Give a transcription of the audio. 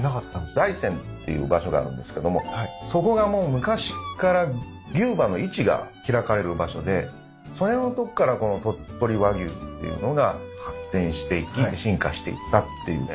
大山っていう場所があるんですけどもそこがもう昔っから牛馬の市が開かれる場所でそれのとこからこの鳥取和牛っていうのが発展していき進化していったっていうね。